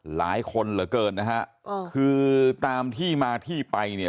หลายคนเหลือเกินนะฮะคือตามที่มาที่ไปเนี่ย